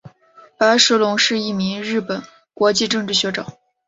白石隆是一名日本国际政治学者。